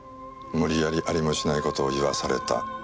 無理やりありもしないことを言わされた。